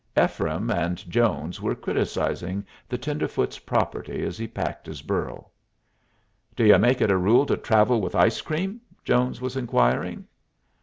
Ephraim and Jones were criticising the tenderfoot's property as he packed his burro. "Do y'u make it a rule to travel with ice cream?" Jones was inquiring.